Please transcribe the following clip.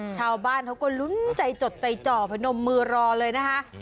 ชาวบ้านเขาก็ลุ้นใจจดใจจ่อพนมมือรอเลยนะคะ